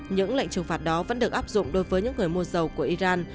những lệnh trừng phạt đó vẫn được áp dụng đối với những người mua dầu của iran